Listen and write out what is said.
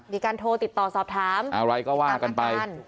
มีการโทรติดต่อสอบถามอะไรก็ว่ากันไป